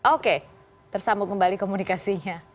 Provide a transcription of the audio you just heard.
oke tersambung kembali komunikasinya